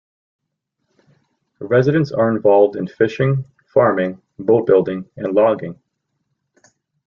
Residents are involved in fishing, farming, boat-building and logging.